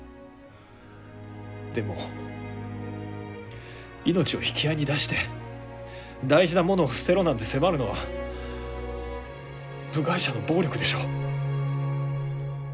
でも命を引き合いに出して大事なものを捨てろなんて迫るのは部外者の暴力でしょう。